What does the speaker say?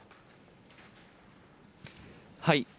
はい。